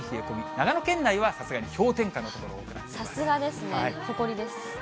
長野県内はさすがに氷点下の所多さすがですね、誇りです。